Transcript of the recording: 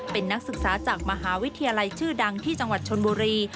เป็นนักศึกษาจากมหาวิทยาลัยชื่อดังที่จังหวัดชนบุรี